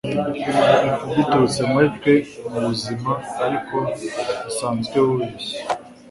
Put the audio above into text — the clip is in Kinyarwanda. Biturutse muri twe mubuzima ariko busanzwe bubeshya